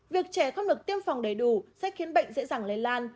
việc trẻ không được tiêm phòng đầy đủ sẽ khiến bệnh dễ dàng lây lan